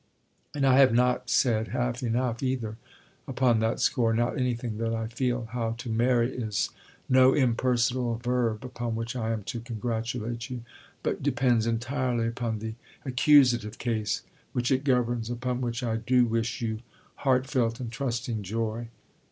And I have not said half enough either upon that score, not anything that I feel; how "to marry" is no impersonal verb, upon which I am to congratulate you, but depends entirely upon the Accusative Case which it governs, upon which I do wish you heartfelt and trusting joy.